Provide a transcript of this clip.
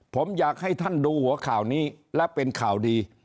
ผมอยากให้ท่านดูหัวข่าวนี้และเป็นข่าวดี